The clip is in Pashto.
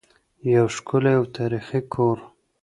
یو ښکلی او تاریخي کور.